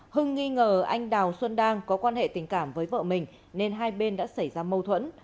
hưng nghi ngờ anh đào xuân đang có quan hệ tình cảm với vợ mình nên hai bên đã xảy ra mâu thuẫn